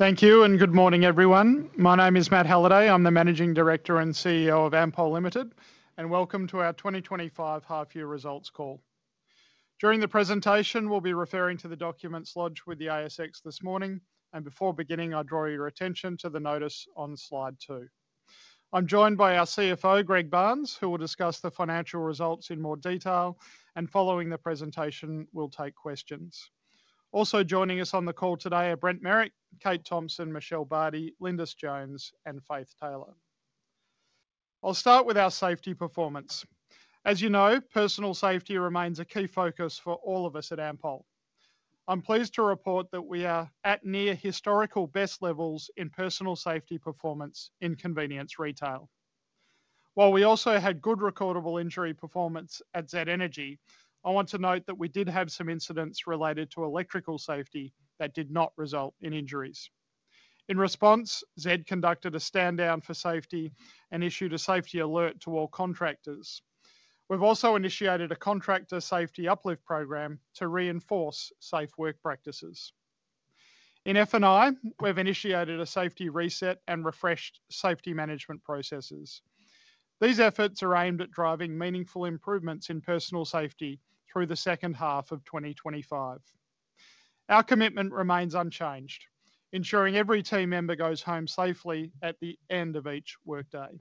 Thank you and good morning, everyone. My name is Matt Halliday. I'm the Managing Director and CEO of Ampol Limited, and welcome to our 2025 Half-Year Results Call. During the presentation, we'll be referring to the documents lodged with the ASX this morning, and before beginning, I'll draw your attention to the notice on slide two. I'm joined by our CFO, Greg Barnes, who will discuss the financial results in more detail, and following the presentation, we'll take questions. Also joining us on the call today are Brent Merrick, Kate Thomson, Michele Bardy, Lindis Jones, and Faith Taylor. I'll start with our safety performance. As you know, personal safety remains a key focus for all of us at Ampol. I'm pleased to report that we are at near historical best levels in personal safety performance in convenience retail. While we also had good recordable injury performance at Z Energy, I want to note that we did have some incidents related to electrical safety that did not result in injuries. In response, Z Energy conducted a stand-down for safety and issued a safety alert to all contractors. We've also initiated a contractor safety uplift program to reinforce safe work practices. In F&I, we've initiated a safety reset and refreshed safety management processes. These efforts are aimed at driving meaningful improvements in person`al safety through the second half of 2025. Our commitment remains unchanged, ensuring every team member goes home safely at the end of each workday.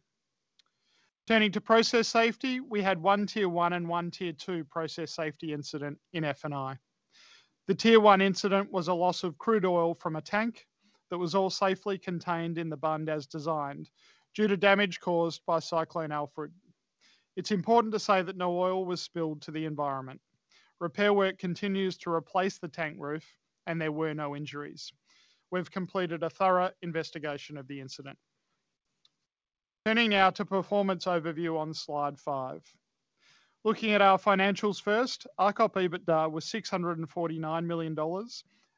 Turning to process safety, we had one Tier 1 and one Tier 2 process safety incident in F&I. The Tier 1 incident was a loss of crude oil from a tank that was all safely contained in the bund as designed due to damage caused by Cyclone Alfred. It's important to say that no oil was spilled to the environment. Repair work continues to replace the tank roof, and there were no injuries. We've completed a thorough investigation of the incident. Turning now to performance overview on slide five. Looking at our financials first, our RCOP EBITDA was $649 million,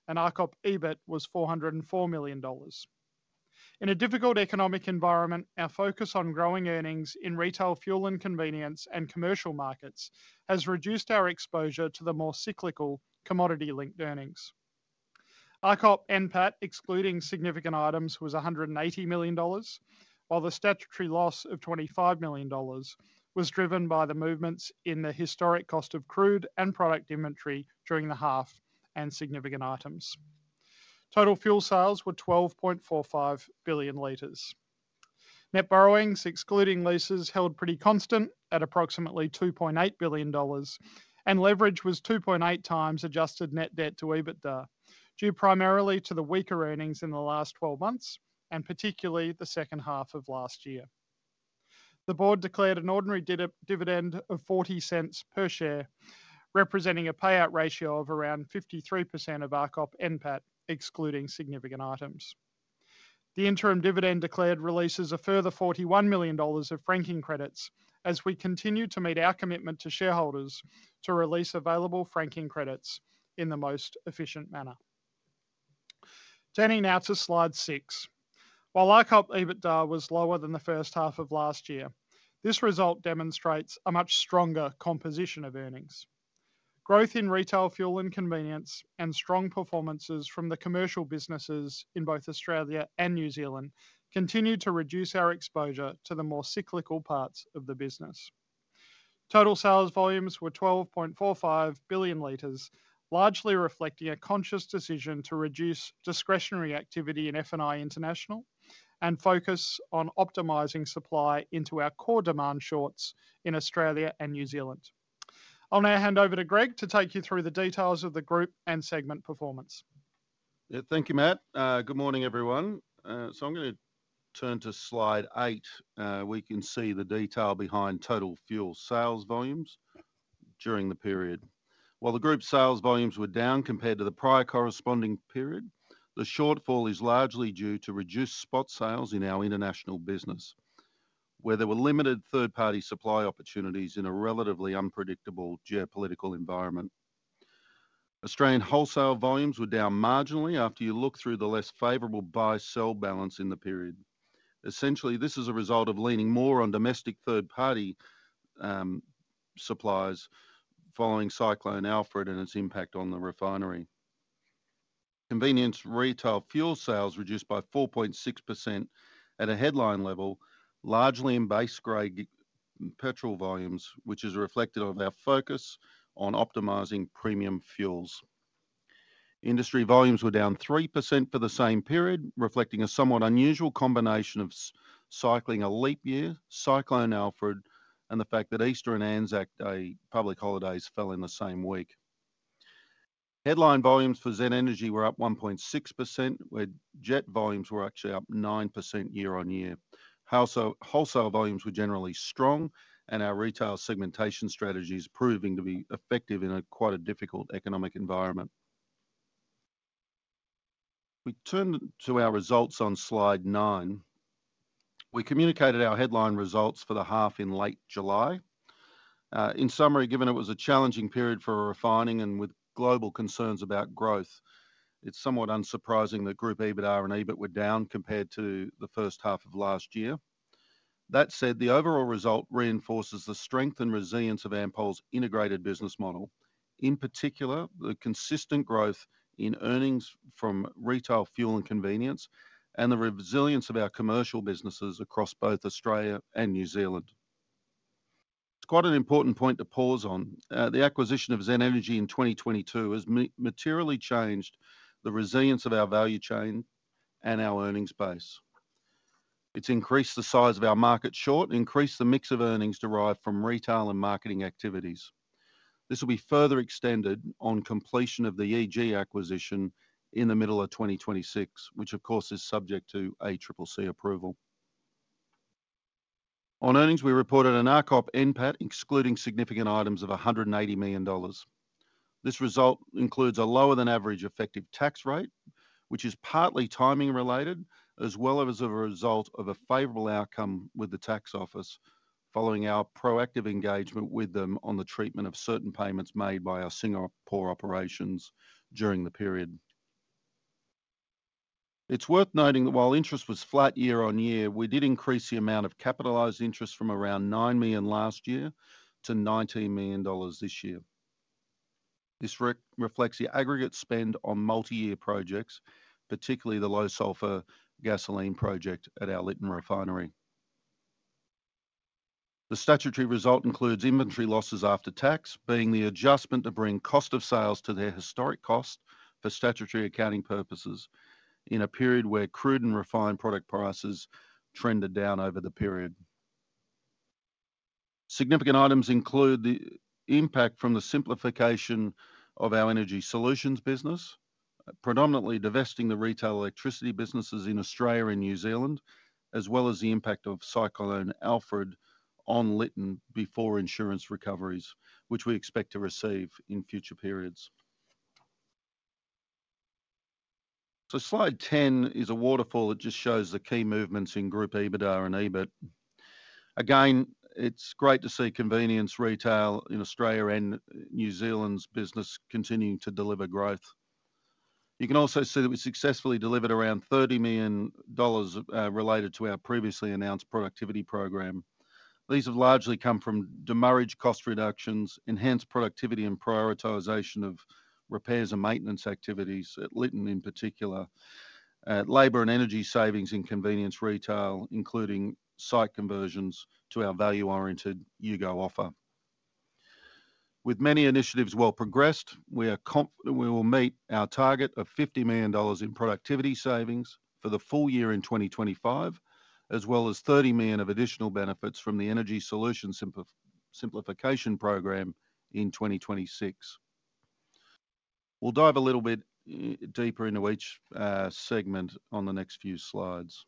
and our RCOP EBIT was $404 million. In a difficult economic environment, our focus on growing earnings in retail fuel and convenience and commercial markets has reduced our exposure to the more cyclical commodity-linked earnings. RCOP NPAT, excluding significant items, was $180 million, while the statutory loss of $25 million was driven by the movements in the historic cost of crude and product inventory during the half and significant items. Total fuel sales were 12.45 billion liters. Net borrowings, excluding leases, held pretty constant at approximately $2.8 billion, and leverage was 2.8x adjusted net debt to EBITDA due primarily to the weaker earnings in the last 12 months and particularly the second half of last year. The Board declared an ordinary dividend of $0.40 per share, representing a payout ratio of around 53% of our RCOP NPAT, excluding significant items. The interim dividend declared releases a further $41 million of franking credits as we continue to meet our commitment to shareholders to release available franking credits in the most efficient manner. Turning now to slide six. While RCOP EBITDA was lower than the first half of last year, this result demonstrates a much stronger composition of earnings. Growth in retail fuel and convenience and strong performances from the commercial businesses in both Australia and New Zealand continue to reduce our exposure to the more cyclical parts of the business. Total sales volumes were 12.45 billion liters, largely reflecting a conscious decision to reduce discretionary activity in F&I International and focus on optimizing supply into our core demand shorts in Australia and New Zealand. I'll now hand over to Greg to take you through the details of the group and segment performance. Thank you, Matt. Good morning, everyone. I'm going to turn to slide eight. We can see the detail behind total fuel sales volumes during the period. While the group sales volumes were down compared to the prior corresponding period, the shortfall is largely due to reduced spot sales in our international business, where there were limited third-party supply opportunities in a relatively unpredictable geopolitical environment. Australian wholesale volumes were down marginally after you look through the less favorable buy-sell balance in the period. Essentially, this is a result of leaning more on domestic third-party supplies following Cyclone Alfred and its impact on the refinery. Convenience retail fuel sales reduced by 4.6% at a headline level, largely in base-grade petrol volumes, which is reflective of our focus on optimizing premium fuels. Industry volumes were down 3% for the same period, reflecting a somewhat unusual combination of cycling a leap year, Cyclone Alfred, and the fact that Easter and Anzac, a public holiday, fell in the same week. Headline volumes for Z Energy were up 1.6%, where jet volumes were actually up 9% year on year. Wholesale volumes were generally strong, and our retail segmentation strategy is proving to be effective in quite a difficult economic environment. We turn to our results on slide nine. We communicated our headline results for the half in late July. In summary, given it was a challenging period for refining and with global concerns about growth, it's somewhat unsurprising that group EBITDA and EBIT were down compared to the first half of last year. That said, the overall result reinforces the strength and resilience of Ampol's integrated business model. In particular, the consistent growth in earnings from retail fuel and convenience and the resilience of our commercial businesses across both Australia and New Zealand. It's quite an important point to pause on. The acquisition of Z Energy in 2022 has materially changed the resilience of our value chain and our earnings base. It's increased the size of our market short and increased the mix of earnings derived from retail and marketing activities. This will be further extended on completion of the EG acquisition in the middle of 2026, which of course is subject to ACCC approval. On earnings, we reported a RCOP NPAT excluding significant items of $180 million. This result includes a lower than average effective tax rate, which is partly timing related as well as a result of a favorable outcome with the tax office following our proactive engagement with them on the treatment of certain payments made by our Singapore operations during the period. It's worth noting that while interest was flat year on year, we did increase the amount of capitalized interest from around $9 million last year to $19 million this year. This reflects the aggregate spend on multi-year projects, particularly the low sulphur gasoline project at our Lytton Refinery. The statutory result includes inventory losses after tax, being the adjustment to bring cost of sales to their historic cost for statutory accounting purposes in a period where crude and refined product prices trended down over the period. Significant items include the impact from the simplification of our energy solutions business, predominantly divesting the retail electricity businesses in Australia and New Zealand, as well as the impact of Cyclone Alfred on Lytton before insurance recoveries, which we expect to receive in future periods. Slide 10 is a waterfall that just shows the key movements in group EBITDA and EBIT. It's great to see convenience retail in Australia and New Zealand's business continuing to deliver growth. You can also see that we successfully delivered around $30 million related to our previously announced productivity program. These have largely come from demurraged cost reductions, enhanced productivity, and prioritization of repairs and maintenance activities at Lytton in particular, at labor and energy savings in convenience retail, including site conversions to our value-oriented U-Go offer. With many initiatives well progressed, we will meet our target of $50 million in productivity savings for the full year in 2025, as well as $30 million of additional benefits from the energy solution simplification program in 2026. We'll dive a little bit deeper into each segment on the next few slides.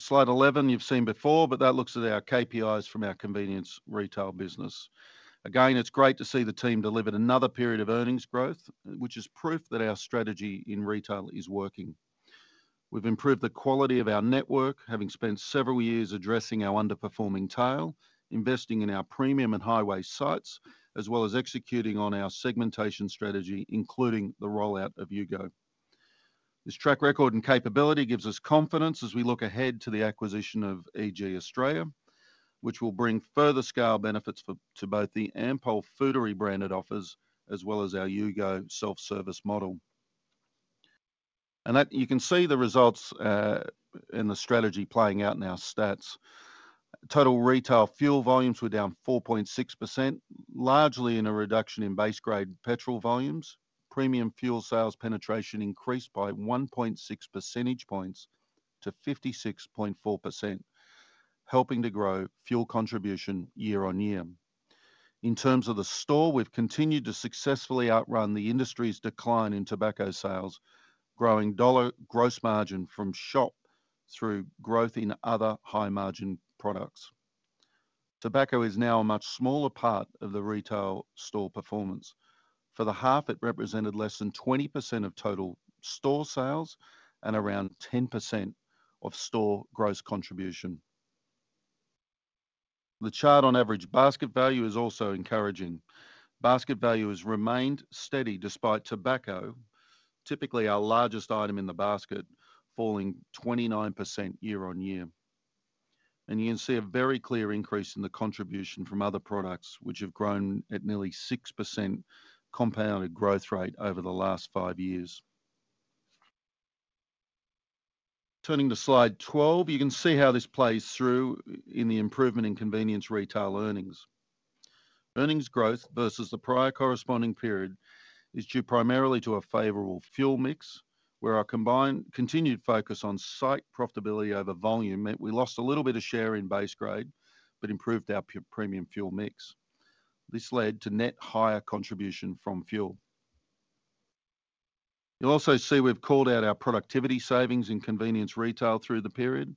Slide 11, you've seen before, but that looks at our KPIs from our convenience retail business. It's great to see the team delivered another period of earnings growth, which is proof that our strategy in retail is working. We've improved the quality of our network, having spent several years addressing our underperforming tail, investing in our premium and high waste sites, as well as executing on our segmentation strategy, including the rollout of U-GO. This track record and capability gives us confidence as we look ahead to the acquisition of EG Australia, which will bring further scale benefits to both the Ampol Foodary brand it offers, as well as our U-GO self-service model. You can see the results in the strategy playing out in our stats. Total retail fuel volumes were down 4.6%, largely in a reduction in base-grade petrol volumes. Premium fuel sales penetration increased by 1.6% to 56.4%, helping to grow fuel contribution year on year. In terms of the store, we've continued to successfully outrun the industry's decline in tobacco sales, growing gross margin from shop through growth in other high margin products. Tobacco is now a much smaller part of the retail store performance. For the half, it represented less than 20% of total store sales and around 10% of store gross contribution. The chart on average basket value is also encouraging. Basket value has remained steady despite tobacco, typically our largest item in the basket, falling 29% year on year. You can see a very clear increase in the contribution from other products, which have grown at nearly 6% compounded growth rate over the last five years. Turning to slide 12, you can see how this plays through in the improvement in convenience retail earnings. Earnings growth versus the prior corresponding period is due primarily to a favorable fuel mix, where our combined continued focus on site profitability over volume meant we lost a little bit of share in base grade, but improved our premium fuel mix. This led to net higher contribution from fuel. You'll also see we've called out our productivity savings in convenience retail through the period.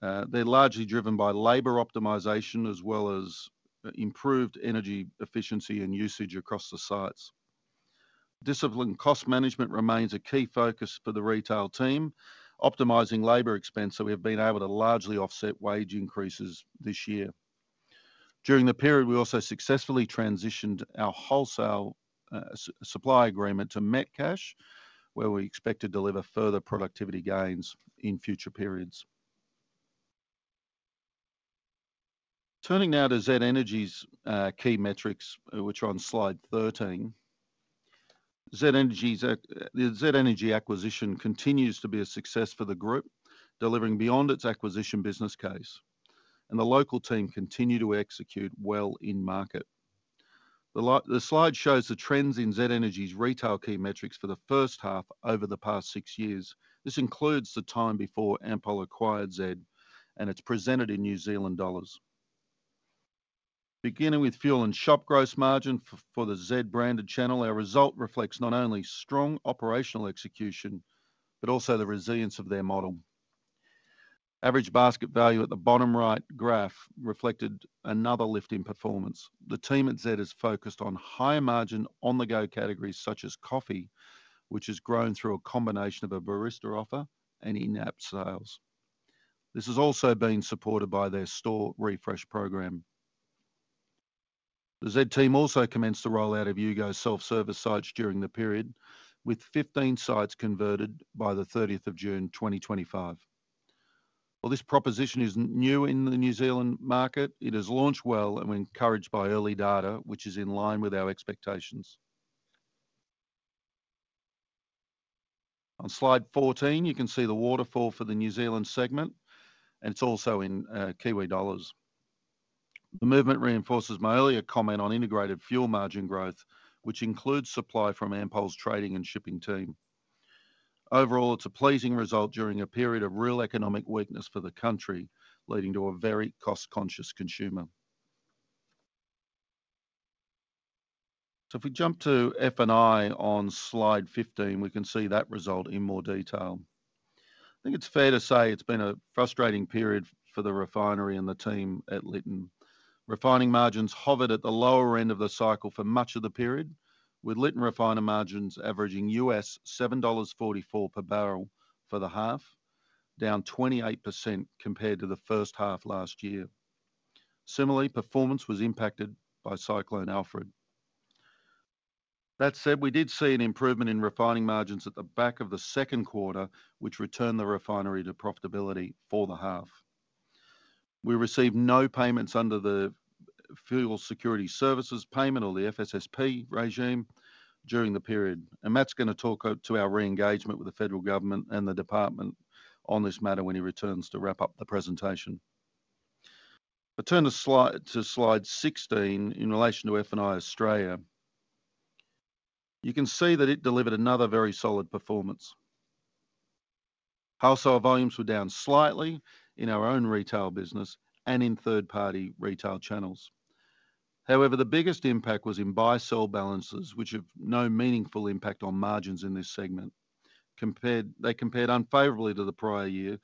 They're largely driven by labor optimization as well as improved energy efficiency and usage across the sites. Discipline cost management remains a key focus for the retail team, optimizing labor expense so we've been able to largely offset wage increases this year. During the period, we also successfully transitioned our wholesale supply agreement to Metcash, where we expect to deliver further productivity gains in future periods. Turning now to Z Energy's key metrics, which are on slide 13. The Z Energy acquisition continues to be a success for the group, delivering beyond its acquisition business case, and the local team continue to execute well in market. The slide shows the trends in Z Energy's retail key metrics for the first half over the past six years. This includes the time before Ampol acquired Z, and it's presented in New Zealand dollars. Beginning with fuel and shop gross margin for the Z branded channel, our result reflects not only strong operational execution but also the resilience of their model. Average basket value at the bottom right graph reflected another lift in performance. The team at Z has focused on high margin on-the-go categories such as coffee, which has grown through a combination of a barista offer and in-app sales. This has also been supported by their store refresh program. The Z team also commenced the rollout of U-GO self-service sites during the period, with 15 sites converted by June 30, 2025. While this proposition is new in the New Zealand market, it has launched well and we're encouraged by early data, which is in line with our expectations. On slide 14, you can see the waterfall for the New Zealand segment, and it's also in Kiwi dollars. The movement reinforces my earlier comment on integrated fuel margin growth, which includes supply from Ampol's trading and shipping team. Overall, it's a pleasing result during a period of real economic weakness for the country, leading to a very cost-conscious consumer. If we jump to F&I on slide 15, we can see that result in more detail. I think it's fair to say it's been a frustrating period for the refinery and the team at Lytton. Refining margins hovered at the lower end of the cycle for much of the period, with Lytton refiner margins averaging U.S. $7.44 per barrel for the half, down 28% compared to the first half last year. Similarly, performance was impacted by Cyclone Alfred. That said, we did see an improvement in refining margins at the back of the second quarter, which returned the refinery to profitability for the half. We received no payments under the Fuel Security Services Payment or the FSSP regime during the period, and Matt's going to talk to our re-engagement with the federal government and the department on this matter when he returns to wrap up the presentation. If I turn to slide 16 in relation to F&I Australia, you can see that it delivered another very solid performance. Wholesale volumes were down slightly in our own retail business and in third-party retail channels. However, the biggest impact was in buy-sell balances, which have no meaningful impact on margins in this segment. They compared unfavorably to the prior year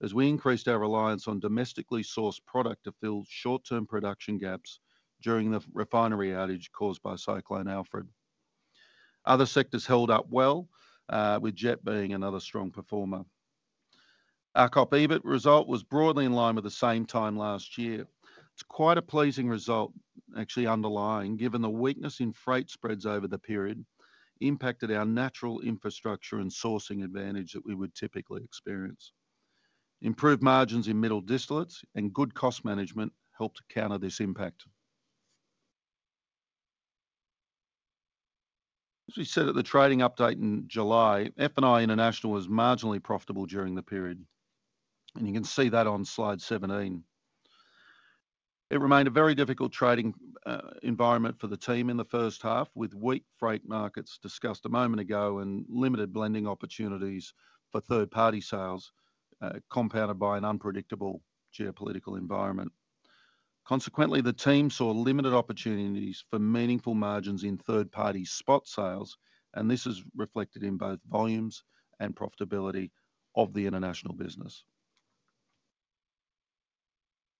as we increased our reliance on domestically sourced product to fill short-term production gaps during the refinery outage caused by Cyclone Alfred. Other sectors held up well, with jet being another strong performer. RCOP EBIT result was broadly in line with the same time last year. It's quite a pleasing result, actually underlying, given the weakness in freight spreads over the period, impacted our natural infrastructure and sourcing advantage that we would typically experience. Improved margins in metal distillates and good cost management helped counter this impact. As we said at the trading update in July, F&I International was marginally profitable during the period, and you can see that on slide 17. It remained a very difficult trading environment for the team in the first half, with weak freight markets discussed a moment ago and limited blending opportunities for third-party sales, compounded by an unpredictable geopolitical environment. Consequently, the team saw limited opportunities for meaningful margins in third-party spot sales, and this is reflected in both volumes and profitability of the international business.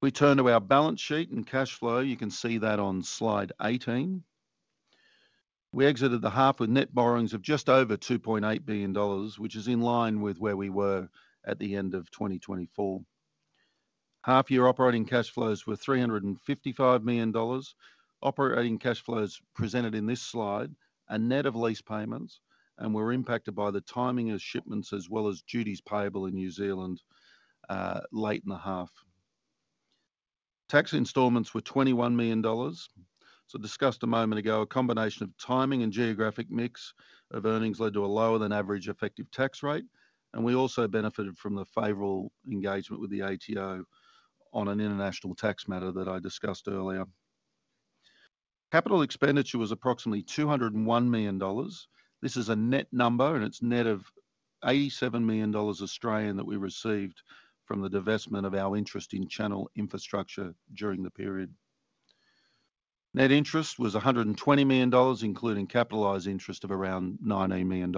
If we turn to our balance sheet and cash flow, you can see that on slide 18. We exited the half with net borrowings of just over $2.8 billion, which is in line with where we were at the end of 2024. Half-year operating cash flows were $355 million. Operating cash flows presented in this slide are net of lease payments and were impacted by the timing of shipments as well as duties payable in New Zealand late in the half. Tax instalments were $21 million. As I discussed a moment ago, a combination of timing and geographic mix of earnings led to a lower than average effective tax rate, and we also benefited from the favorable engagement with the ATO on an international tax matter that I discussed earlier. Capital expenditure was approximately $201 million. This is a net number, and it's net of 87 million Australian dollars Australian that we received from the divestment of our interest in Channel Infrastructure during the period. Net interest was $120 million, including capitalized interest of around $90 million.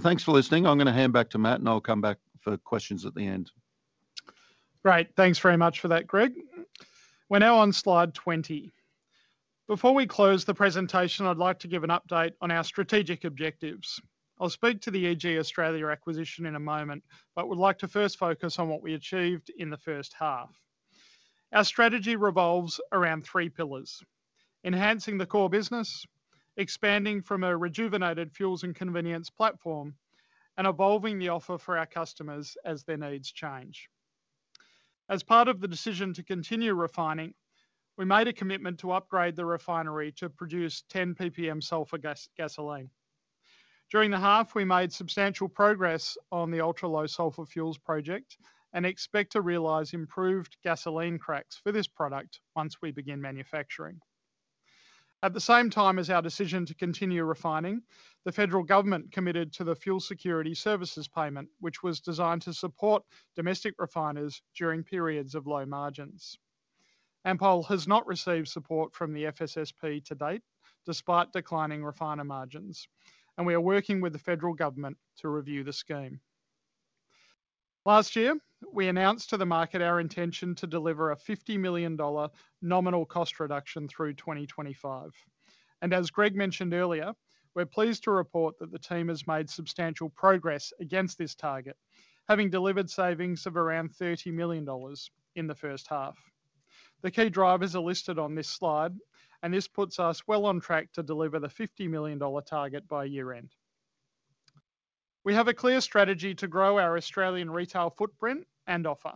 Thanks for listening. I'm going to hand back to Matt, and I'll come back for questions at the end. Great. Thanks very much for that, Greg. We're now on slide 20. Before we close the presentation, I'd like to give an update on our strategic objectives. I'll speak to the EG Australia acquisition in a moment, but I would like to first focus on what we achieved in the first half. Our strategy revolves around three pillars: enhancing the core business, expanding from a rejuvenated fuel and convenience platform, and evolving the offer for our customers as their needs change. As part of the decision to continue refining, we made a commitment to upgrade the refinery to produce 10 ppm sulphur gasoline. During the half, we made substantial progress on the ultra-low sulphur fuels project and expect to realize improved gasoline cracks for this product once we begin manufacturing. At the same time as our decision to continue refining, the federal government committed to the Fuel Security Services payment, which was designed to support domestic refiners during periods of low margins. Ampol has not received support from the FSSP to date, despite declining refiner margins, and we are working with the federal government to review the scheme. Last year, we announced to the market our intention to deliver a $50 million nominal cost reduction through 2025. As Greg mentioned earlier, we're pleased to report that the team has made substantial progress against this target, having delivered savings of around $30 million in the first half. The key drivers are listed on this slide, and this puts us well on track to deliver the $50 million target by year-end. We have a clear strategy to grow our Australian retail footprint and offer.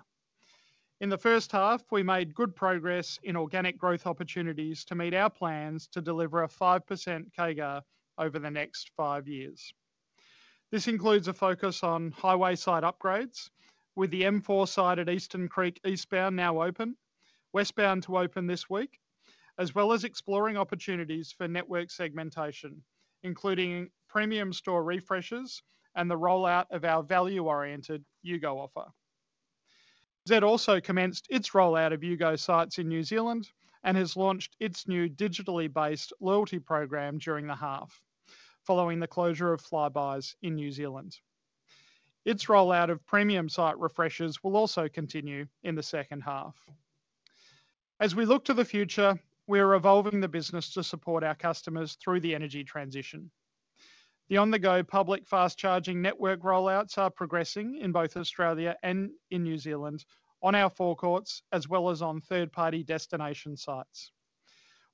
In the first half, we made good progress in organic growth opportunities to meet our plans to deliver a 5% CAGR over the next five years. This includes a focus on highway site upgrades, with the M4 site at Eastern Creek eastbound now open, westbound to open this week, as well as exploring opportunities for network segmentation, including premium store refreshers and the rollout of our value-oriented U-GO offer. Z also commenced its rollout of U-GO sites in New Zealand and has launched its new digitally-based loyalty program during the half, following the closure of Flybuys in New Zealand. Its rollout of premium site refreshers will also continue in the second half. As we look to the future, we are evolving the business to support our customers through the energy transition. The on-the-go public fast-charging network rollouts are progressing in both Australia and in New Zealand on our forecourts as well as on third-party destination sites.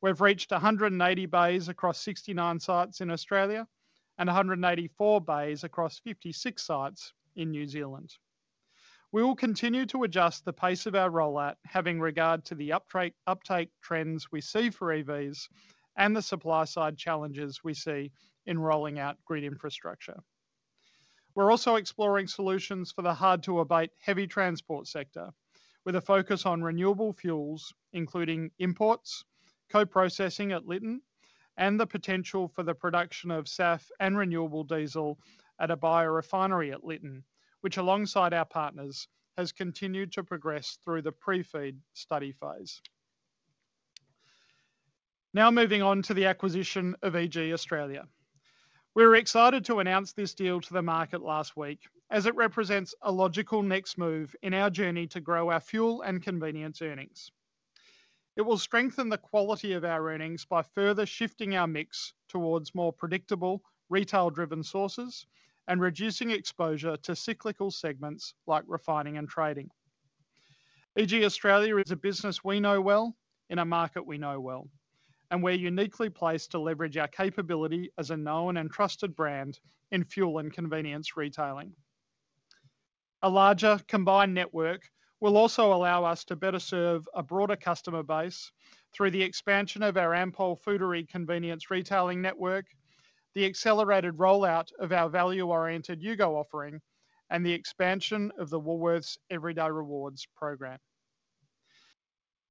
We've reached 180 bays across 69 sites in Australia and 184 bays across 56 sites in New Zealand. We will continue to adjust the pace of our rollout, having regard to the uptake trends we see for EVs and the supply side challenges we see in rolling out grid infrastructure. We're also exploring solutions for the hard-to-abate heavy transport sector, with a focus on renewable fuels, including imports, co-processing at Lytton, and the potential for the production of SAF and renewable diesel at a buyer refinery at Lytton, which alongside our partners has continued to progress through the Pre-FEED study phase. Now moving on to the acquisition of EG Australia. We're excited to announce this deal to the market last week, as it represents a logical next move in our journey to grow our fuel and convenience earnings. It will strengthen the quality of our earnings by further shifting our mix towards more predictable, retail-driven sources and reducing exposure to cyclical segments like refining and trading. EG Australia is a business we know well in a market we know well, and we're uniquely placed to leverage our capability as a known and trusted brand in fuel and convenience retailing. A larger combined network will also allow us to better serve a broader customer base through the expansion of our Ampol Foodary convenience retailing network, the accelerated rollout of our value-oriented U-GO offering, and the expansion of the Woolworths Everyday Rewards program.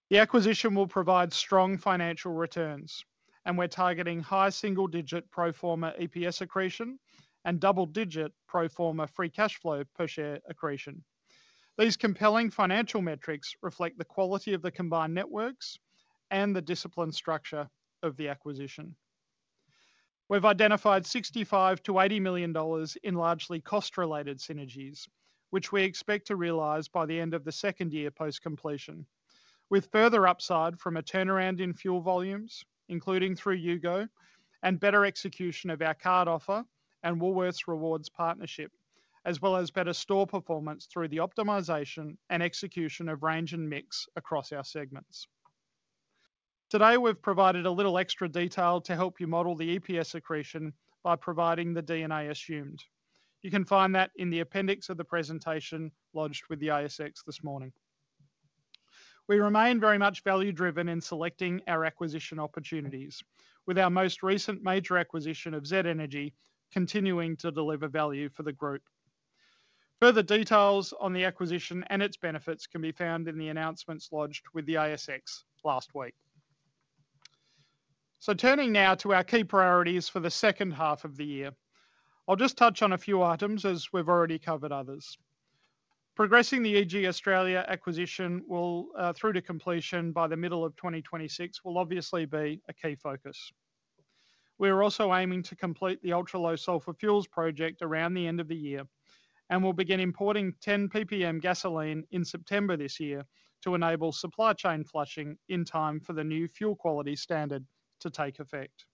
The acquisition will provide strong financial returns, and we're targeting high single-digit pro forma EPS accretion and double-digit pro forma free cash flow per share accretion. These compelling financial metrics reflect the quality of the combined networks and the disciplined structure of the acquisition. We've identified $65 million to $80 million in largely cost-related synergies, which we expect to realize by the end of the second year post-completion, with further upside from a turnaround in fuel volumes, including through U-GO, and better execution of our card offer and Woolworths Everyday Rewards partnership, as well as better store performance through the optimization and execution of range and mix across our segments. Today, we've provided a little extra detail to help you model the EPS accretion by providing the DNA assumed. You can find that in the appendix of the presentation lodged with the ASX this morning. We remain very much value-driven in selecting our acquisition opportunities, with our most recent major acquisition of Z Energy continuing to deliver value for the group. Further details on the acquisition and its benefits can be found in the announcements lodged with the ASX last week. Turning now to our key priorities for the second half of the year, I'll just touch on a few items as we've already covered others. Progressing the EG Australia acquisition through to completion by the middle of 2026 will obviously be a key focus. We are also aiming to complete the ultra-low sulphur fuels project around the end of the year, and we'll begin importing 10 ppm gasoline in September this year to enable supply chain flushing in time for the new fuel quality standard to take effect.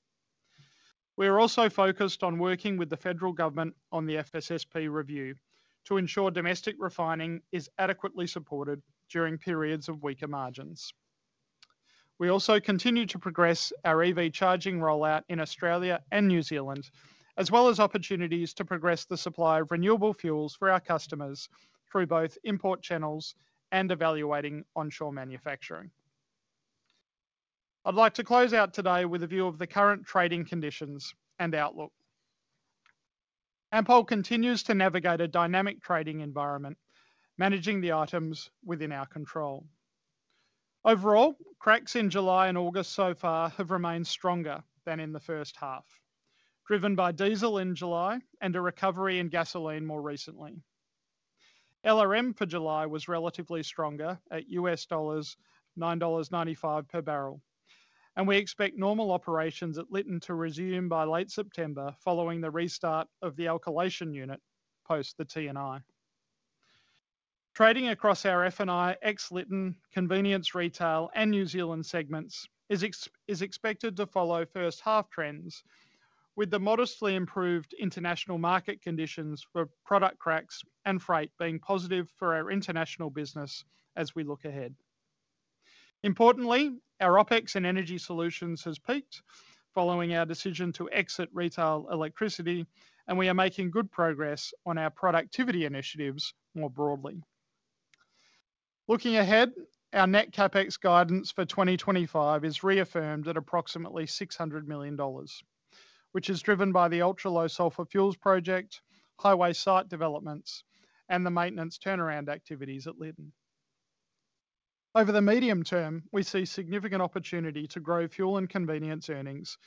We are also focused on working with the federal government on the FSSP review to ensure domestic refining is adequately supported during periods of weaker margins. We also continue to progress our EV charging rollout in Australia and New Zealand, as well as opportunities to progress the supply of renewable fuels for our customers through both import channels and evaluating onshore manufacturing. I'd like to close out today with a view of the current trading conditions and outlook. Ampol continues to navigate a dynamic trading environment, managing the items within our control. Overall, cracks in July and August so far have remained stronger than in the first half, driven by diesel in July and a recovery in gasoline more recently. LRM for July was relatively stronger at $9.95 per barrel, and we expect normal operations at Lytton to resume by late September following the restart of the alkylation unit post the T&I. Trading across our F&I, ex-Lytton, convenience retail, and New Zealand segments is expected to follow first-half trends, with the modestly improved international market conditions for product cracks and freight being positive for our international business as we look ahead. Importantly, our OpEx in energy solutions has peaked following our decision to exit retail electricity, and we are making good progress on our productivity initiatives more broadly. Looking ahead, our net CapEx guidance for 2025 is reaffirmed at approximately $600 million, which is driven by the ultra-low sulphur fuels project, highway site developments, and the maintenance turnaround activities at Lytton. Over the medium term, we see significant opportunity to grow fuel and convenience earnings,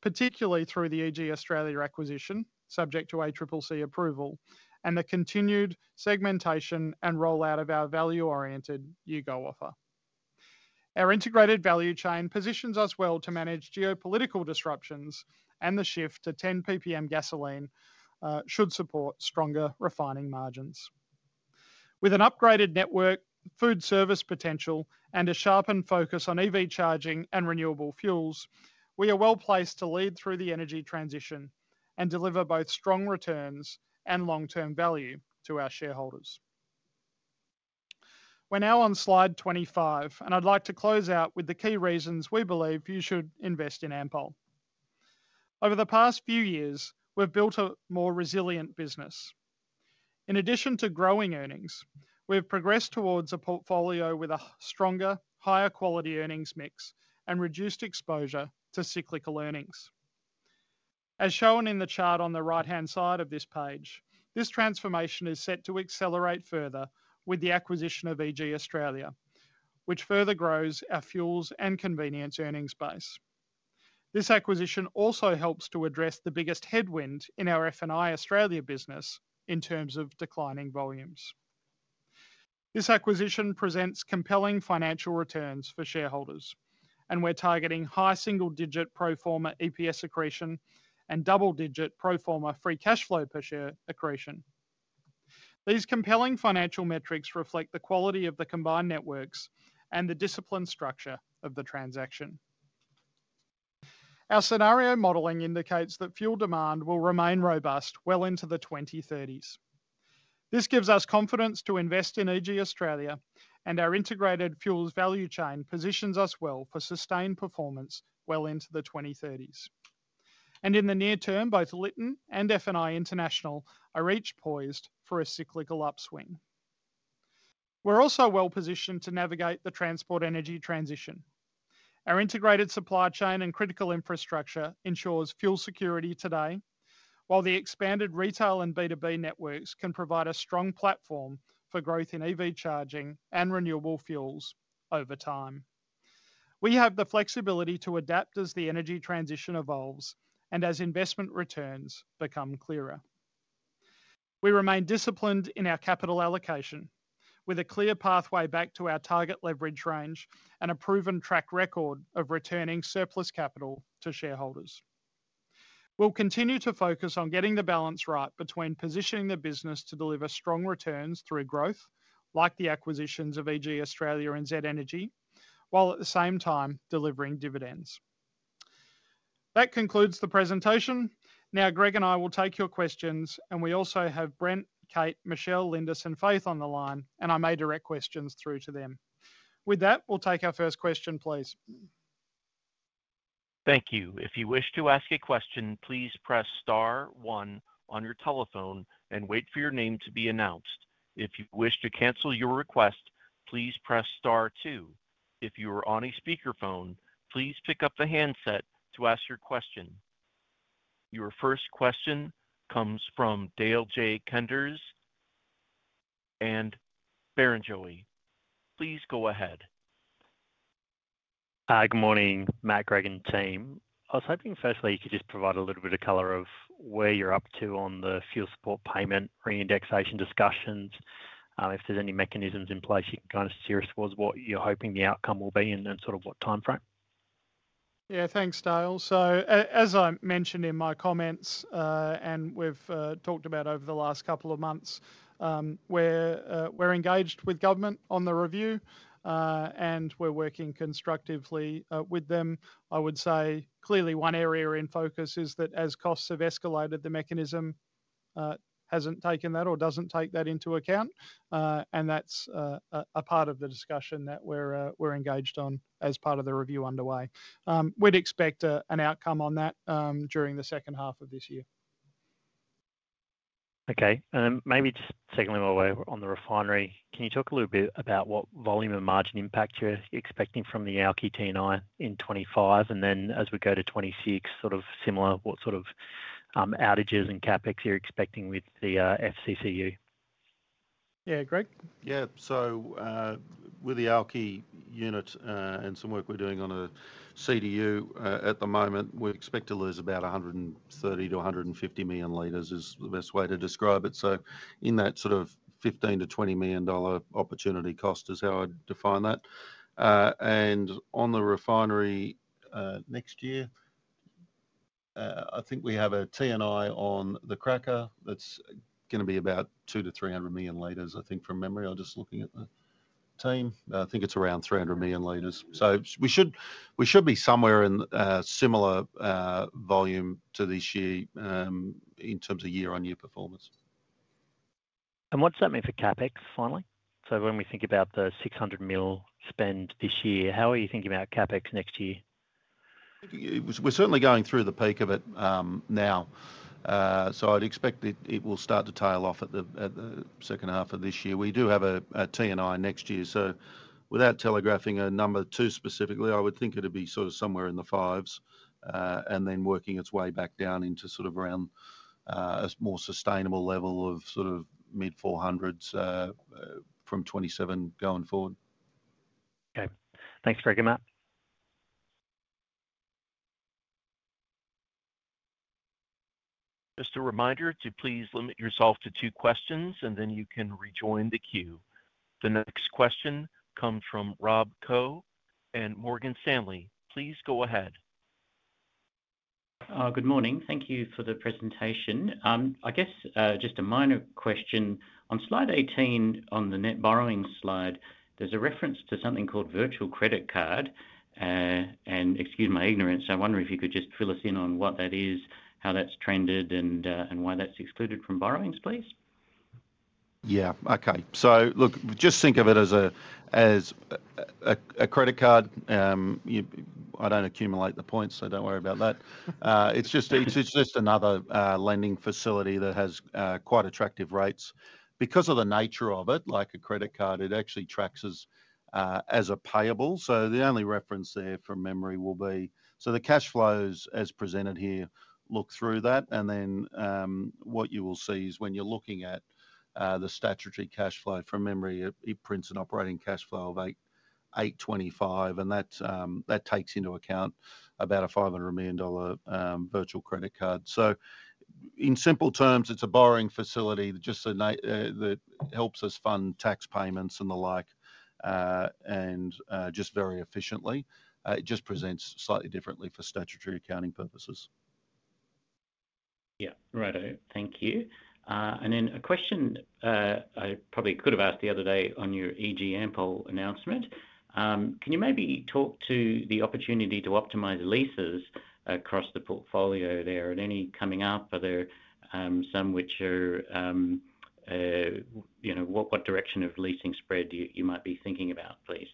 particularly through the EG Australia acquisition subject to ACCC approval and the continued segmentation and rollout of our value-oriented U-GO offer. Our integrated value chain positions us well to manage geopolitical disruptions, and the shift to 10 ppm gasoline should support stronger refining margins. With an upgraded network, food service potential, and a sharpened focus on EV charging and renewable fuels, we are well placed to lead through the energy transition and deliver both strong returns and long-term value to our shareholders. We're now on slide 25, and I'd like to close out with the key reasons we believe you should invest in Ampol. Over the past few years, we've built a more resilient business. In addition to growing earnings, we've progressed towards a portfolio with a stronger, higher quality earnings mix and reduced exposure to cyclical earnings. As shown in the chart on the right-hand side of this page, this transformation is set to accelerate further with the acquisition of EG Australia, which further grows our fuels and convenience earnings base. This acquisition also helps to address the biggest headwind in our F&I Australia business in terms of declining volumes. This acquisition presents compelling financial returns for shareholders, and we're targeting high single-digit pro forma EPS accretion and double-digit pro forma free cash flow per share accretion. These compelling financial metrics reflect the quality of the combined networks and the discipline structure of the transaction. Our scenario modelling indicates that fuel demand will remain robust well into the 2030s. This gives us confidence to invest in EG Australia, and our integrated fuels value chain positions us well for sustained performance well into the 2030s. In the near term, both Lytton and F&I International are each poised for a cyclical upswing. We're also well positioned to navigate the transport energy transition. Our integrated supply chain and critical infrastructure ensures fuel security today, while the expanded retail and B2B networks can provide a strong platform for growth in EV charging and renewable fuels over time. We have the flexibility to adapt as the energy transition evolves and as investment returns become clearer. We remain disciplined in our capital allocation, with a clear pathway back to our target leverage range and a proven track record of returning surplus capital to shareholders. We'll continue to focus on getting the balance right between positioning the business to deliver strong returns through growth, like the acquisitions of EG Australia and Z Energy, while at the same time delivering dividends. That concludes the presentation. Now Greg and I will take your questions, and we also have Brent, Kate, Michelle, Lindis, and Faith on the line, and I may direct questions through to them. With that, we'll take our first question, please. Thank you. If you wish to ask a question, please press star one on your telephone and wait for your name to be announced. If you wish to cancel your request, please press star two. If you are on a speakerphone, please pick up the handset to ask your question. Your first question comes from Dale J. Koenders and Barrenjoey. Please go ahead. Good morning, Matt, Greg, and team. I was hoping firstly you could just provide a little bit of color of where you're up to on the fuel support payment re-indexation discussions. If there's any mechanisms in place, you can kind of steer us towards what you're hoping the outcome will be in and sort of what timeframe. Thanks, Dale. As I mentioned in my comments and we've talked about over the last couple of months, we're engaged with government on the review and we're working constructively with them. I would say clearly one area in focus is that as costs have escalated, the mechanism hasn't taken that or doesn't take that into account. That's a part of the discussion that we're engaged on as part of the review underway. We'd expect an outcome on that during the second half of this year. Okay, and then maybe just segment while we're on the refinery, can you talk a little bit about what volume and margin impact you're expecting from the Alky T&I in 2025, and then as we go to 2026, sort of similar, what sort of outages and CapEx you're expecting with the FCCU? Yeah, Greg. With the alky unit and some work we're doing on the CDU at the moment, we expect to lose about 130 to 150 million liters, which is the best way to describe it. In that sort of $15 million to $20 million opportunity cost is how I define that. On the refinery next year, I think we have a T&I on the cracker that's going to be about 200 to 300 million liters, I think from memory. I'm just looking at the team. I think it's around 300 million liters. We should be somewhere in a similar volume to this year in terms of year-on-year performance. What does that mean for CapEx finally? When we think about the $600 million spend this year, how are you thinking about CapEx next year? We're certainly going through the peak of it now. I'd expect that it will start to tail off at the second half of this year. We do have a T&I next year. Without telegraphing a number too specifically, I would think it'd be sort of somewhere in the $500 millions and then working its way back down into sort of around a more sustainable level of sort of mid-$400 millions from 2027 going forward. Okay, thanks Greg and Matt. Just a reminder to please limit yourself to two questions, and then you can rejoin the queue. The next question comes from Rob Koh at Morgan Stanley. Please go ahead. Good morning. Thank you for the presentation. I guess just a minor question. On slide 18 on the net borrowing slide, there's a reference to something called virtual credit card. Excuse my ignorance, I wonder if you could just fill us in on what that is, how that's trended, and why that's excluded from borrowings, please. Yeah, okay. Just think of it as a credit card. I don't accumulate the points, so don't worry about that. It's just another lending facility that has quite attractive rates. Because of the nature of it, like a credit card, it actually tracks as a payable. The only reference there from memory will be, the cash flows as presented here look through that. What you will see is when you're looking at the statutory cash flow from memory, it prints an operating cash flow of $825 million. That takes into account about a $500 million virtual credit card. In simple terms, it's a borrowing facility that just helps us fund tax payments and the like very efficiently. It just presents slightly differently for statutory accounting purposes. Thank you. A question I probably could have asked the other day on your EG Ampol announcement. Can you maybe talk to the opportunity to optimize leases across the portfolio there? Are there any coming up? Are there some which are, you know, what direction of leasing spread you might be thinking about, please?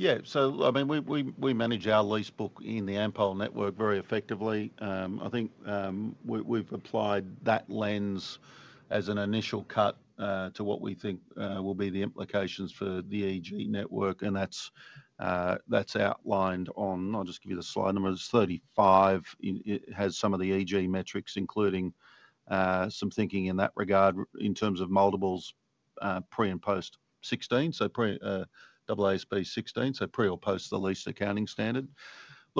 Yeah, so I mean, we manage our lease book in the Ampol network very effectively. I think we've applied that lens as an initial cut to what we think will be the implications for the EG network. That's outlined on, I'll just give you the slide number, it's 35. It has some of the EG Australia metrics, including some thinking in that regard in terms of multiples pre and post 16, so pre AASB 16, so pre or post the lease accounting standard.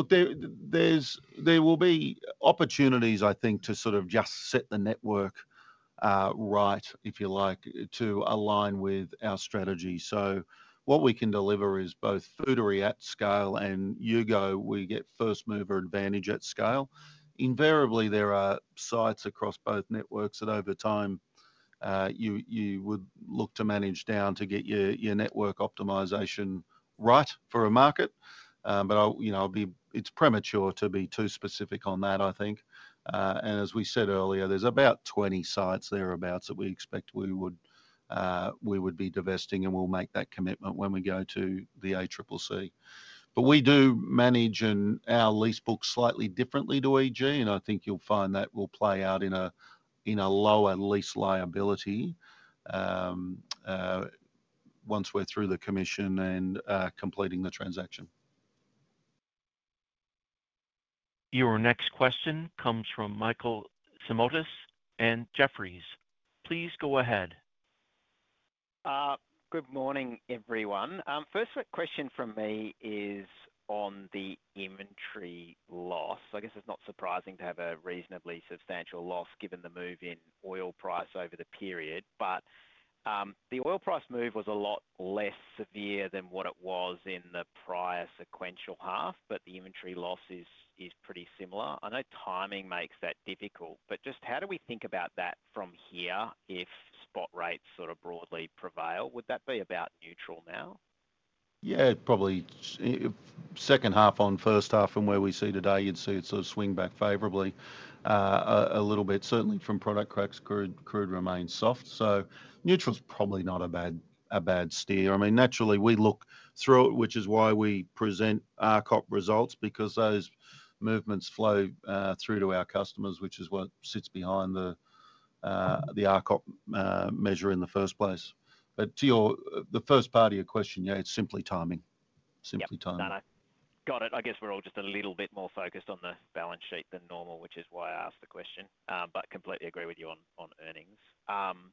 There will be opportunities, I think, to sort of just set the network right, if you like, to align with our strategy. What we can deliver is both Foodary at scale and U-GO, we get first mover advantage at scale. Invariably, there are sites across both networks that over time you would look to manage down to get your network optimization right for a market. It's premature to be too specific on that, I think. As we said earlier, there's about 20 sites thereabouts that we expect we would be divesting and we'll make that commitment when we go to the ACCC. We do manage our lease book slightly differently to EG Australia, and I think you'll find that will play out in a lower lease liability once we're through the commission and completing the transaction. Your next question comes from Michael Simotas at Jefferies. Please go ahead. Good morning, everyone. First question from me is on the inventory loss. I guess it's not surprising to have a reasonably substantial loss given the move in oil price over the period. The oil price move was a lot less severe than what it was in the prior sequential half, but the inventory loss is pretty similar. I know timing makes that difficult, but just how do we think about that from here if spot rates sort of broadly prevail? Would that be about neutral now? Yeah, probably second half on first half from where we see today, you'd see it sort of swing back favorably a little bit. Certainly from product cracks, crude remains soft. Neutral is probably not a bad steer. I mean, naturally we look through it, which is why we present RCOP results because those movements flow through to our customers, which is what sits behind the RCOP measure in the first place. To your the first part of your question, yeah, it's simply timing. Yeah, got it. I guess we're all just a little bit more focused on the balance sheet than normal, which is why I asked the question, but completely agree with you on earnings.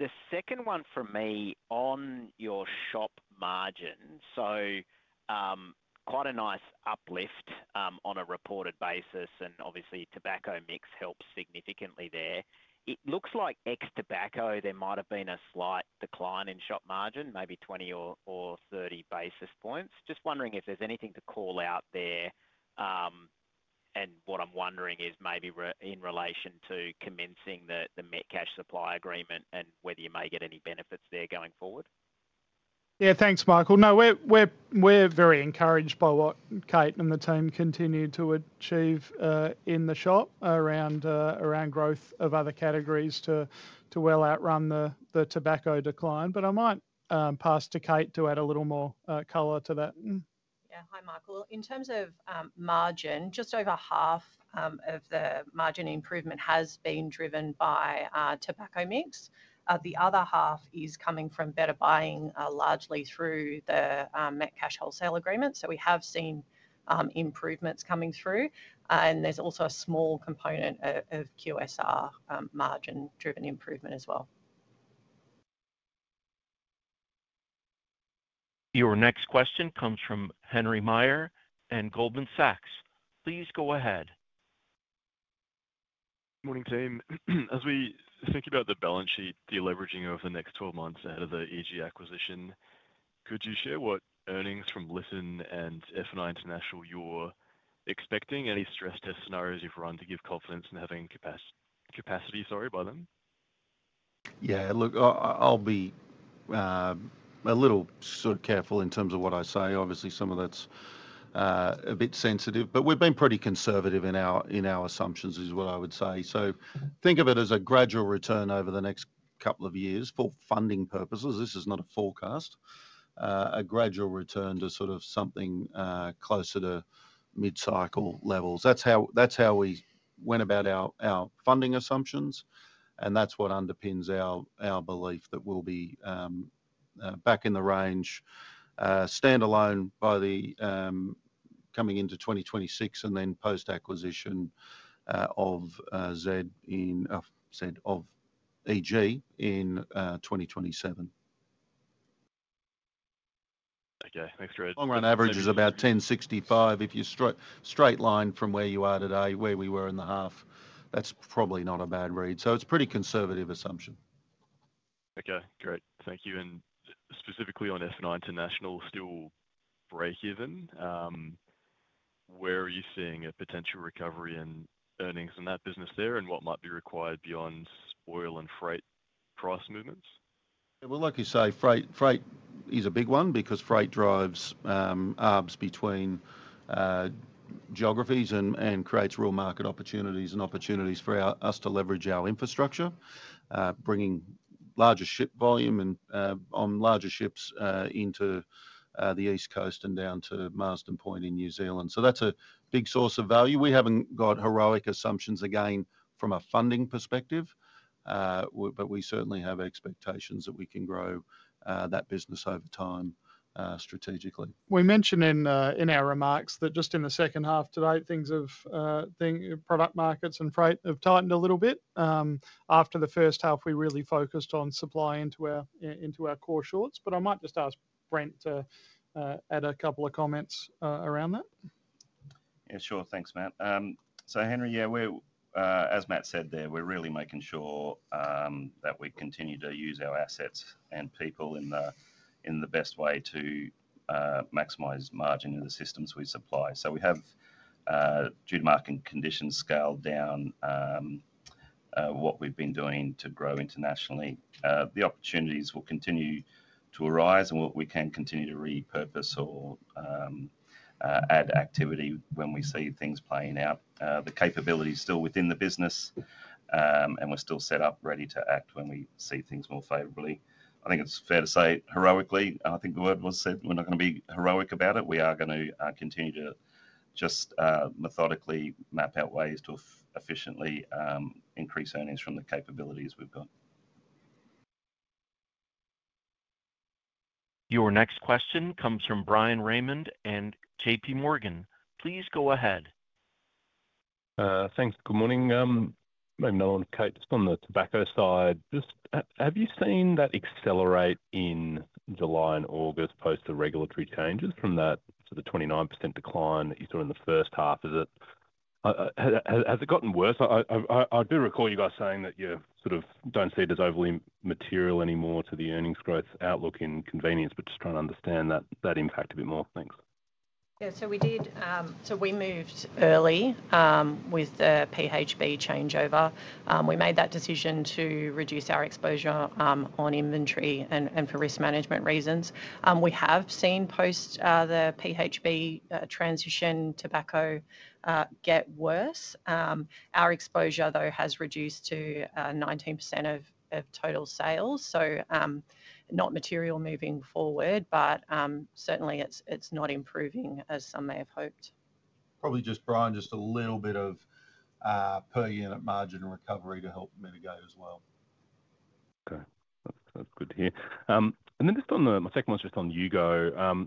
The second one for me on your shop margins, quite a nice uplift on a reported basis, and obviously tobacco mix helps significantly there. It looks like ex-tobacco there might have been a slight decline in shop margin, maybe 20 or 30 basis points. Just wondering if there's anything to call out there. What I'm wondering is maybe in relation to commencing the Metcash supply agreement and whether you may get any benefits there going forward. Yeah, thanks, Michael. No, we're very encouraged by what Kate and the team continue to achieve in the shop around growth of other categories to well outrun the tobacco decline. I might pass to Kate to add a little more color to that. Yeah, hi Michael. In terms of margin, just over half of the margin improvement has been driven by our tobacco mix. The other half is coming from better buying, largely through the Metcash wholesale agreement. We have seen improvements coming through, and there's also a small component of QSR margin-driven improvement as well. Your next question comes from Henry Meyer at Goldman Sachs. Please go ahead. Morning team. As we think about the balance sheet deleveraging over the next 12 months ahead of the EG acquisition, could you share what earnings from Lytton and F&I International you're expecting? Any stress test scenarios you've run to give confidence in having capacity by then? Yeah, I'll be a little careful in terms of what I say. Obviously, some of that's a bit sensitive, but we've been pretty conservative in our assumptions is what I would say. Think of it as a gradual return over the next couple of years for funding purposes. This is not a forecast. A gradual return to something closer to mid-cycle levels. That's how we went about our funding assumptions. That's what underpins our belief that we'll be back in the range standalone by the coming into 2026 and then post-acquisition of Z Energy and EG in 2027. Okay, thanks, Greg. Long run average is about $1,065. If you're straight line from where you are today, where we were in the half, that's probably not a bad read. It's a pretty conservative assumption. Okay, great. Thank you. Specifically on F&I International, still break-even, where are you seeing a potential recovery in earnings in that business there, and what might be required beyond oil and freight price movements? Freight is a big one because freight drives arbs between geographies and creates real market opportunities and opportunities for us to leverage our infrastructure, bringing larger ship volume and on larger ships into the East Coast and down to Marsden Point in New Zealand. That's a big source of value. We haven't got heroic assumptions again from a funding perspective, but we certainly have expectations that we can grow that business over time strategically. We mentioned in our remarks that just in the second half today, things of product markets and freight have tightened a little bit. After the first half, we really focused on supply into our core shorts. I might just ask Brent to add a couple of comments around that. Yeah, sure. Thanks, Matt. So, Henry, as Matt said there, we're really making sure that we continue to use our assets and people in the best way to maximize margin in the systems we supply. We have, due to market conditions, scaled down what we've been doing to grow internationally. The opportunities will continue to arise, and we can continue to repurpose or add activity when we see things playing out. The capability is still within the business, and we're still set up ready to act when we see things more favorably. I think it's fair to say, heroically—I think the word was said—we're not going to be heroic about it. We are going to continue to just methodically map out ways to efficiently increase earnings from the capabilities we've got. Your next question comes from Bryan Raymond and J.P. Morgan. Please go ahead. Thanks. Good morning. [Macmillan], Kate, just on the tobacco side, have you seen that accelerate in July and August post the regulatory changes from that sort of 29% decline that you saw in the first half? Has it gotten worse? I do recall you guys saying that you sort of don't see it as overly material anymore to the earnings growth outlook in convenience, but just trying to understand that impact a bit more. Thanks. Yeah, we moved early with the PHB changeover. We made that decision to reduce our exposure on inventory and for risk management reasons. We have seen post the PHB transition tobacco get worse. Our exposure though has reduced to 19% of total sales. Not material moving forward, but certainly it's not improving as some may have hoped. Probably just trying a little bit of per unit margin recovery to help mitigate as well. Okay, good to hear. On the second one, it's just on U-GO.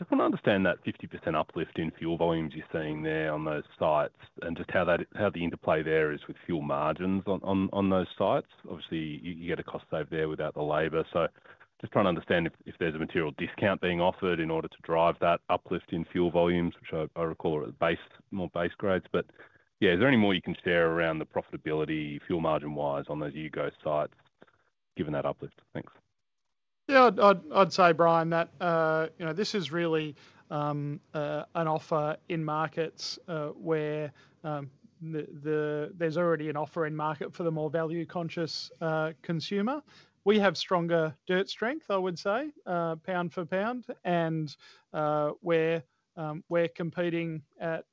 I just want to understand that 50% uplift in fuel volumes you're seeing there on those sites and just how the interplay there is with fuel margins on those sites. Obviously, you get a cost save there without the labor. I'm just trying to understand if there's a material discount being offered in order to drive that uplift in fuel volumes, which I recall are more base grades. Is there any more you can share around the profitability fuel margin-wise on those U-GO sites given that uplift? Thanks. Yeah, I'd say, Bryan, that you know this is really an offer in markets where there's already an offer in market for the more value-conscious consumer. We have stronger dirt strength, I would say, pound for pound. We're competing at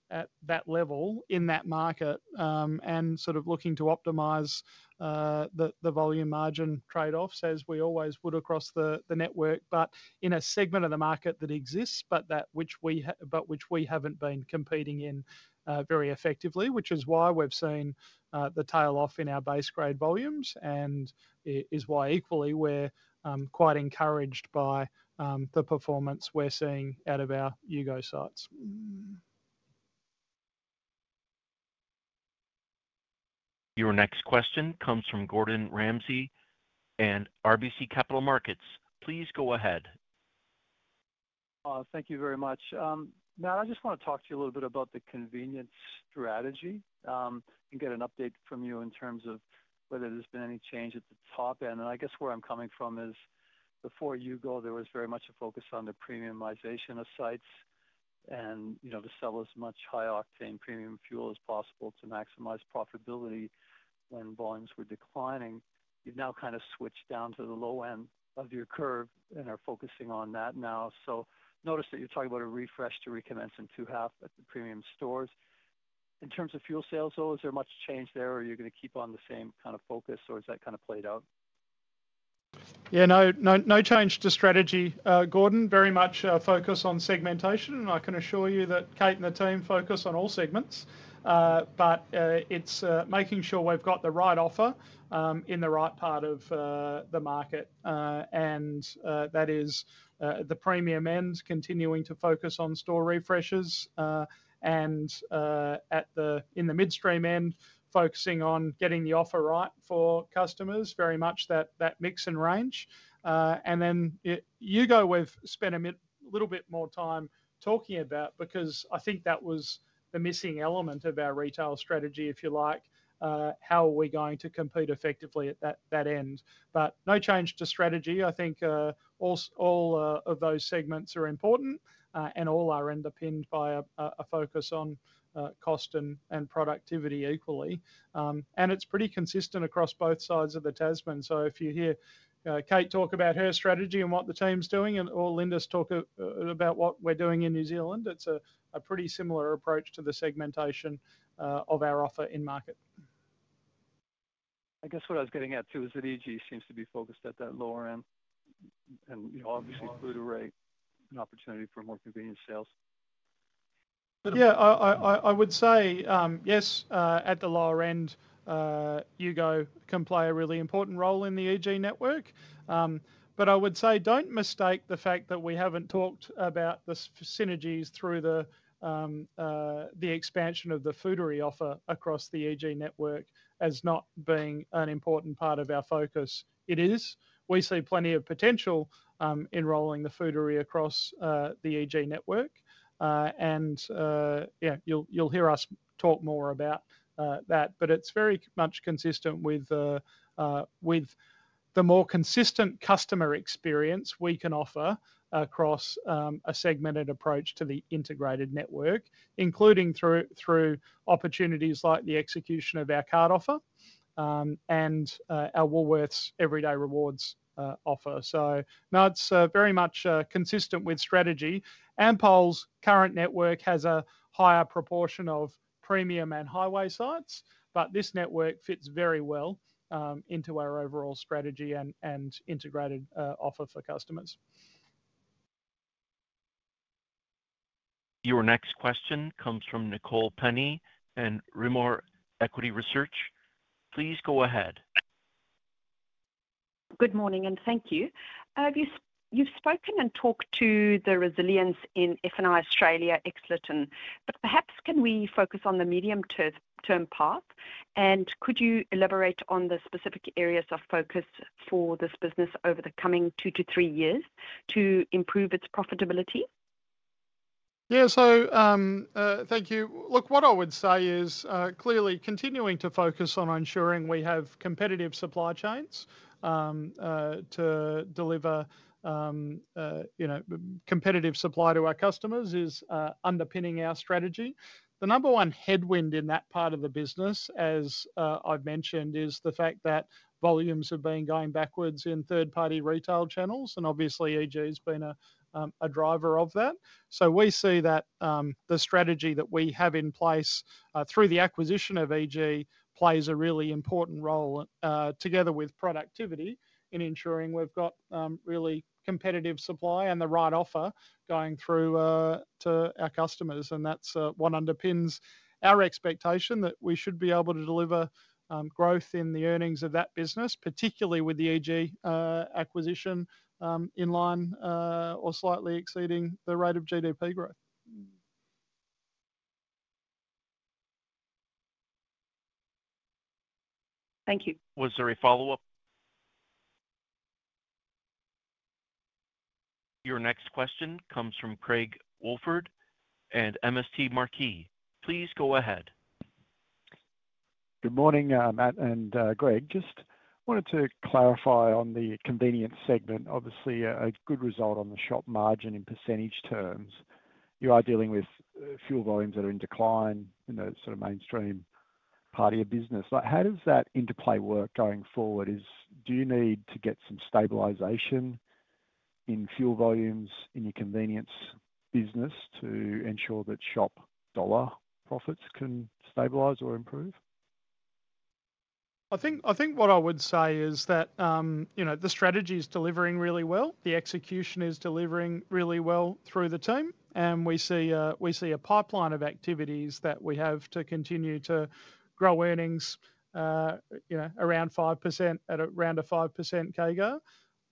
that level in that market and looking to optimize the volume margin trade-offs as we always would across the network. In a segment of the market that exists, but which we haven't been competing in very effectively, which is why we've seen the tail off in our base grade volumes and is why equally we're quite encouraged by the performance we're seeing out of our U-GO sites. Your next question comes from Gordon Ramsay at RBC Capital Markets. Please go ahead. Thank you very much. Matt, I just want to talk to you a little bit about the convenience strategy and get an update from you in terms of whether there's been any change at the top end. I guess where I'm coming from is before U-Go, there was very much a focus on the premiumization of sites and, you know, to sell as much high octane premium fuel as possible to maximize profitability when volumes were declining. You've now kind of switched down to the low end of your curve and are focusing on that now. I notice that you're talking about a refresh to recommence in two half at the premium stores. In terms of fuel sales, though, is there much change there or are you going to keep on the same kind of focus or is that kind of played out? Yeah, no change to strategy. Gordon, very much focus on segmentation, and I can assure you that Kate and the team focus on all segments. It's making sure we've got the right offer in the right part of the market. That is the premium end continuing to focus on store refreshers, and in the midstream end focusing on getting the offer right for customers, very much that mix and range. U-GO, we've spent a little bit more time talking about because I think that was the missing element of our retail strategy, if you like. How are we going to compete effectively at that end? No change to strategy. I think all of those segments are important and all are underpinned by a focus on cost and productivity equally. It's pretty consistent across both sides of the Tasman. If you hear Kate talk about her strategy and what the team's doing or Lindis talk about what we're doing in New Zealand, it's a pretty similar approach to the segmentation of our offer in market. I guess what I was getting at too is that EG seems to be focused at that lower end, and obviously Foodary an opportunity for more convenience sales. Yeah, I would say yes, at the lower end, U-GO can play a really important role in the EG network. I would say don't mistake the fact that we haven't talked about the synergies through the expansion of the Foodary offer across the EG network as not being an important part of our focus. It is. We see plenty of potential in rolling the Foodary across the EG network, and you'll hear us talk more about that. It is very much consistent with the more consistent customer experience we can offer across a segmented approach to the integrated network, including through opportunities like the execution of our card offer and our Woolworths Everyday Rewards offer. That's very much consistent with strategy. Ampol's current network has a higher proportion of premium and highway sites, but this network fits very well into our overall strategy and integrated offer for customers. Your next question comes from Nicole Penny and Rimor Equity Research. Please go ahead. Good morning and thank you. You've spoken and talked to the resilience in F&I Australia ex-Lytton. Perhaps can we focus on the medium-term path, and could you elaborate on the specific areas of focus for this business over the coming two to three years to improve its profitability? Thank you. What I would say is clearly continuing to focus on ensuring we have competitive supply chains to deliver competitive supply to our customers is underpinning our strategy. The number one headwind in that part of the business, as I've mentioned, is the fact that volumes have been going backwards in third-party retail channels, and obviously EG has been a driver of that. We see that the strategy that we have in place through the acquisition of EG plays a really important role together with productivity in ensuring we've got really competitive supply and the right offer going through to our customers. That's what underpins our expectation that we should be able to deliver growth in the earnings of that business, particularly with the EG acquisition in line or slightly exceeding the rate of GDP growth. Thank you. Was there a follow-up? Your next question comes from Craig Woolford at MST Marquee. Please go ahead. Good morning, Matt and Greg. Just wanted to clarify on the convenience segment. Obviously, a good result on the shop margin in percentage terms. You are dealing with fuel volumes that are in decline in the sort of mainstream part of your business. How does that interplay work going forward? Do you need to get some stabilization in fuel volumes in your convenience business to ensure that shop dollar profits can stabilize or improve? I think what I would say is that the strategy is delivering really well. The execution is delivering really well through the team, and we see a pipeline of activities that we have to continue to grow earnings around 5% at around a 5% CAGR.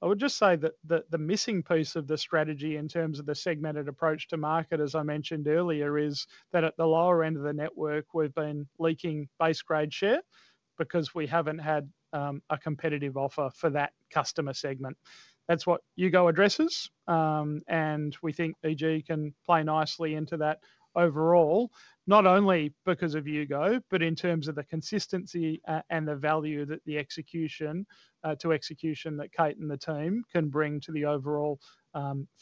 I would just say that the missing piece of the strategy in terms of the segmented approach to market, as I mentioned earlier, is that at the lower end of the network, we've been leaking base grade share because we haven't had a competitive offer for that customer segment. That's what U-GO addresses, and we think EG can play nicely into that overall, not only because of U-Go, but in terms of the consistency and the value that the execution to execution that Kate and the team can bring to the overall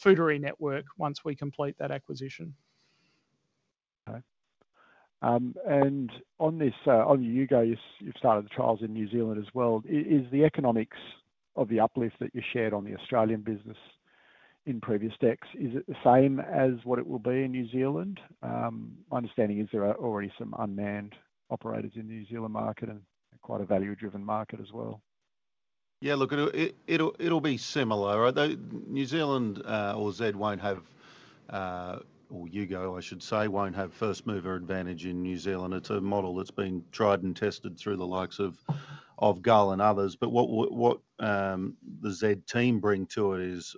Foodary network once we complete that acquisition. Okay. On U-GO, you've started the trials in New Zealand as well. Is the economics of the uplift that you shared on the Australian business in previous decks the same as what it will be in New Zealand? My understanding is there are already some unmanned operators in the New Zealand market and quite a value-driven market as well. Yeah, look, it'll be similar. New Zealand or Z won't have, or U-GO, I should say, won't have first mover advantage in New Zealand. It's a model that's been tried and tested through the likes of Gull and others. What the Z team bring to it is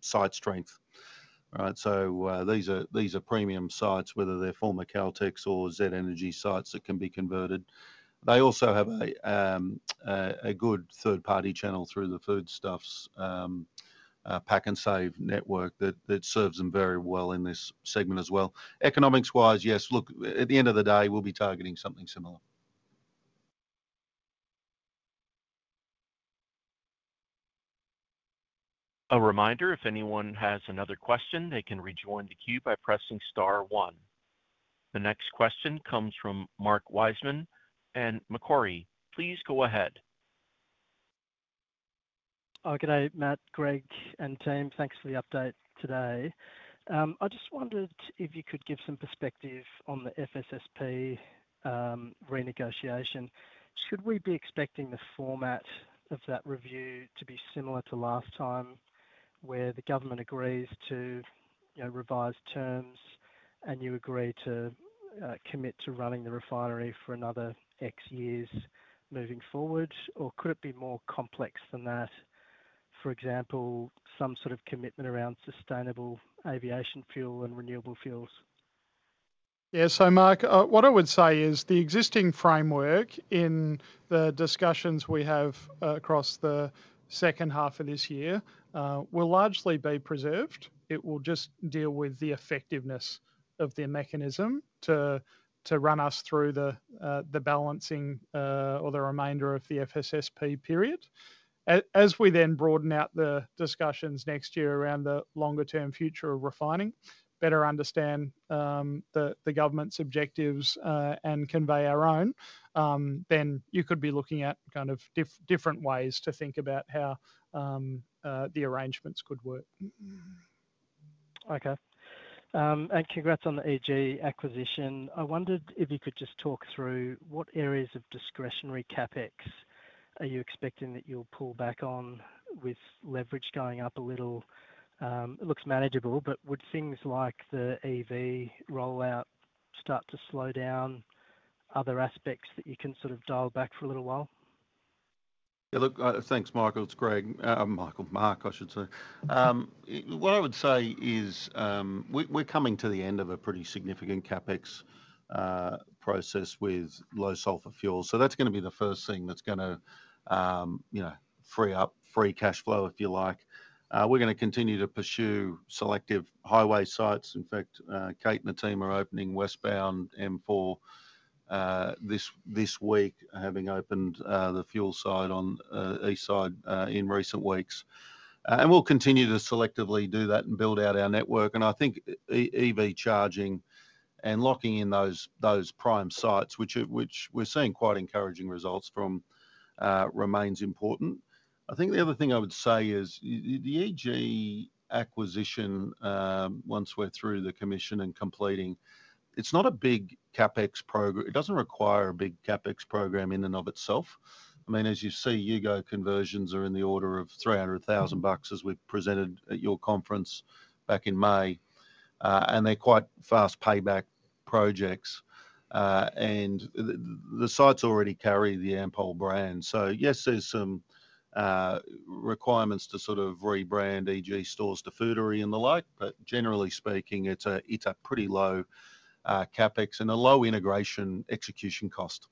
site strength. Right. These are premium sites, whether they're former Caltex or Z Energy sites that can be converted. They also have a good third-party channel through the Foodstuffs PAK'nSAVE network that serves them very well in this segment as well. Economics-wise, yes, at the end of the day, we'll be targeting something similar. A reminder, if anyone has another question, they can rejoin the queue by pressing star one. The next question comes from Mark Wiseman at Macquarie. Please go ahead. Good day, Matt, Greg, and team. Thanks for the update today. I just wondered if you could give some perspective on the FSSP renegotiation. Should we be expecting the format of that review to be similar to last time, where the government agrees to revise terms and you agree to commit to running the refinery for another X years moving forward, or could it be more complex than that? For example, some sort of commitment around sustainable aviation fuel and renewable fuels? Mark, what I would say is the existing framework in the discussions we have across the second half of this year will largely be preserved. It will just deal with the effectiveness of their mechanism to run us through the balancing or the remainder of the FSSP period. As we then broaden out the discussions next year around the longer-term future of refining, better understand the government's objectives and convey our own, you could be looking at kind of different ways to think about how the arrangements could work. Okay. Congrats on the EG acquisition. I wondered if you could just talk through what areas of discretionary CapEx are you expecting that you'll pull back on with leverage going up a little. It looks manageable, but would things like the electric vehicle charging rollout start to slow down, other aspects that you can sort of dial back for a little while? Yeah, look, thanks, Michael. It's Greg. What I would say is we're coming to the end of a pretty significant CapEx process with low sulphur fuels. That's going to be the first thing that's going to free up free cash flow, if you like. We're going to continue to pursue selective highway sites. In fact, Kate and the team are opening westbound M4 this week, having opened the fuel side on the east side in recent weeks. We'll continue to selectively do that and build out our network. I think EV charging and locking in those prime sites, which we're seeing quite encouraging results from, remains important. The other thing I would say is the EG acquisition, once we're through the commission and completing, it's not a big CapEx program. It doesn't require a big CapEx program in and of itself. I mean, as you see, U-GO conversions are in the order of $300,000 as we presented at your conference back in May. They're quite fast payback projects. The sites already carry the Ampol brand. Yes, there's some requirements to sort of rebrand EG stores to Foodary and the like, but generally speaking, it's a pretty low CapEx and a low integration execution cost.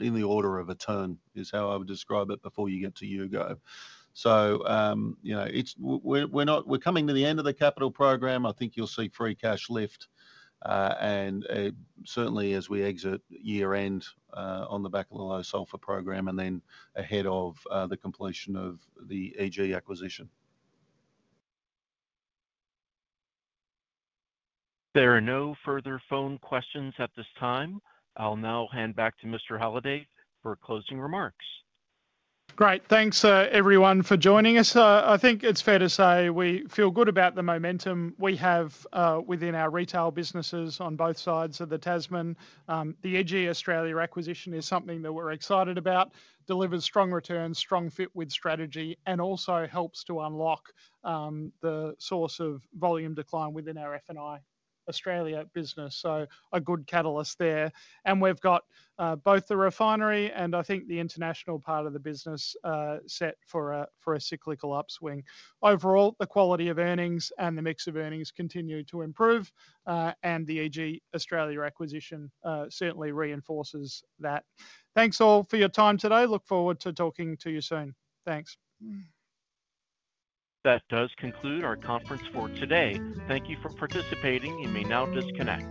In the order of a turn is how I would describe it before you get to U-GO. We're coming to the end of the capital program. I think you'll see free cash lift, and certainly as we exit year-end on the back of the low sulphur program and then ahead of the completion of the EG acquisition. There are no further phone questions at this time. I'll now hand back to Mr. Halliday for closing remarks. Great. Thanks everyone for joining us. I think it's fair to say we feel good about the momentum we have within our retail businesses on both sides of the Tasman. The EG Australia acquisition is something that we're excited about. It delivers strong returns, strong fit with strategy, and also helps to unlock the source of volume decline within our F&I Australia business. A good catalyst there. We've got both the refinery and I think the international part of the business set for a cyclical upswing. Overall, the quality of earnings and the mix of earnings continue to improve. The EG Australia acquisition certainly reinforces that. Thanks all for your time today. Look forward to talking to you soon. Thanks. That does conclude our conference for today. Thank you for participating. You may now disconnect.